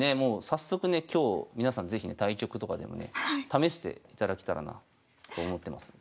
早速ね今日皆さん是非ね対局とかでもね試していただけたらなと思ってます。